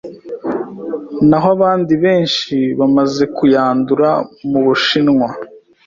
naho abandi benshi bamaze kuyandura mu Bushinwa,